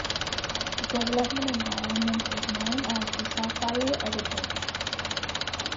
The development environment was known as the Sapphire Editor.